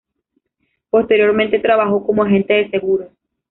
Posteriormente trabajó como agente de seguros.